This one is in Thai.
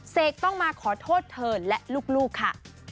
ต้องมาขอโทษเธอและลูกค่ะ